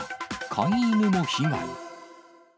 飼い犬も被害。